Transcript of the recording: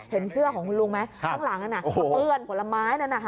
เห็นเสื้อของคุณลุงไหมข้างหลังนั้นเปื้อนผลไม้นั้น